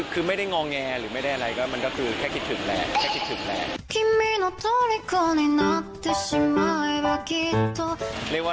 คือไม่ได้งองเงไม่ได้อะไรก็แค่คิดถึงแหละ